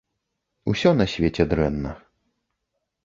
Усё на свеце дрэнна.